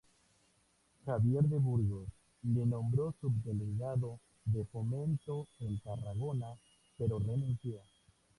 Javier de Burgos le nombró subdelegado de Fomento en Tarragona, pero renunció.